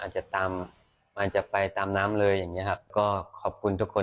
อาจจะตามอาจจะไปตามน้ำเลยอย่างเงี้ครับก็ขอบคุณทุกคน